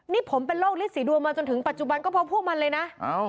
นี่ผมเป็นโรคฤทธสีดวงมาจนถึงปัจจุบันก็เพราะพวกมันเลยนะ